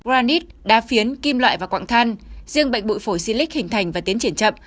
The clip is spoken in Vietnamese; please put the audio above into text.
granite đá phiến kim loại và quặng than riêng bệnh bụi phổi si lịch hình thành và tiến triển chậm